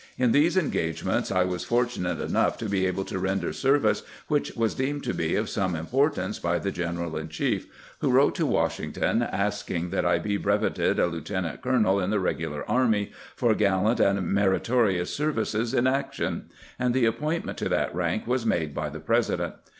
In these engagements I was fortunate enough to be able to render service which was deemed to be of some im portance by the general in chief, who wrote to "Wash ington asking that I be breveted a lieutenant colonel in 278 CAMPAIGNING WITH GEANT the regular army for " gallant and meritorious services in action "; and tlie appointment to that rank was made by the President.